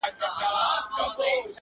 زه به دلته قتل باسم د خپلوانو-